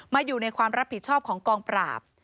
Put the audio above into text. อยู่ในความรับผิดชอบของกองปราบ